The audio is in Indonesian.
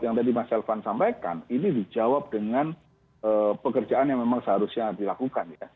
yang tadi mas elvan sampaikan ini dijawab dengan pekerjaan yang memang seharusnya dilakukan ya